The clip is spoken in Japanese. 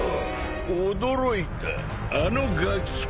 驚いたあのガキか。